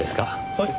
はい。